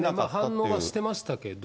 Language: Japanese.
反応はしてましたけど。